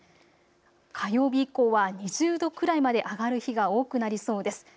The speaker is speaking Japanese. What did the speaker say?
火曜日以降は２０度くらいまで上がる日が多くなりそうです。